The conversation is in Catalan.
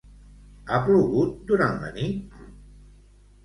Ha plogut durant la nit?